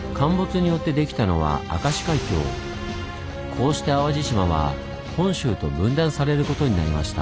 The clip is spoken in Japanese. こうして淡路島は本州と分断されることになりました。